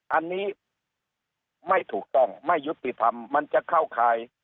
อันนี้ไม่ถูกต้องไม่ยุติธรรมมันจะเข้าข่าย